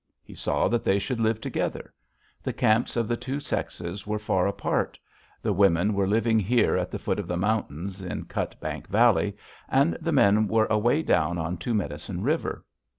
He saw that they should live together. The camps of the two sexes were far apart: the women were living here at the foot of the mountains, in Cutbank Valley, and the men were away down on Two Medicine River.